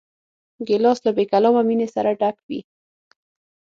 ګیلاس له بېکلامه مینې سره ډک وي.